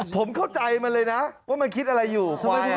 ผมเข้าใจมันเลยนะว่ามันคิดอะไรอยู่ควาย